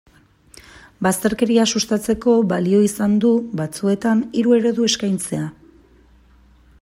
Bazterkeria sustatzeko balio izan du, batzuetan, hiru eredu eskaintzea.